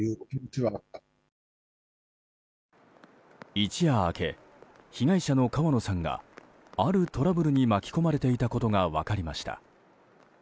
一夜明け、被害者の川野さんがあるトラブルに巻き込まれていたことが分かりました。